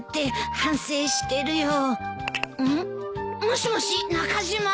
もしもし中島？